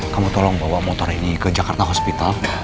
kamu tolong bawa motor ini ke jakarta hospital